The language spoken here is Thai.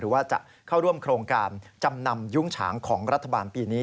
ว่าจะเข้าร่วมโครงการจำนำยุ้งฉางของรัฐบาลปีนี้